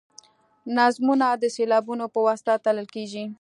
نظمونه د سېلابونو په واسطه تلل کیږي.